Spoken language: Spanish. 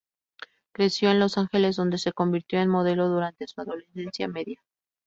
Creció en Los Ángeles, donde se convirtió en modelo durante su adolescencia media.